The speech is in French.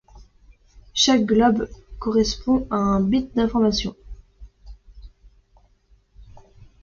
Chaque globe correspond à un bit d'information.